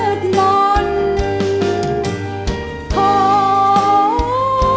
โทรใจคนสีดำดำโครนนี่หรือคือคนที่บอกว่ารักฉันอับงาน